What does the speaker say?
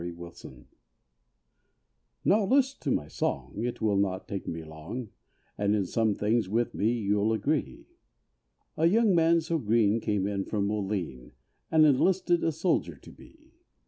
RECRUIT Now list to my song, it will not take me long, And in some things with me you'll agree; A young man so green came in from Moline, And enlisted a soldier to be.